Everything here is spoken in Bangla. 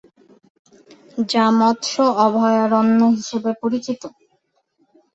যা মৎস অভয়ারণ্য হিসেবে পরিচিত।